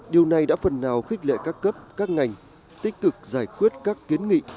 điều này đã phần nào khích lệ các cấp các ngành tích cực giải quyết các kiến nghị